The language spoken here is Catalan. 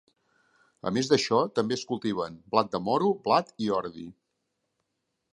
A més d'això, també es cultiven blat de moro, blat i ordi.